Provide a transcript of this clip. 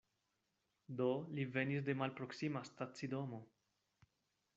Do li venis de malproksima stacidomo.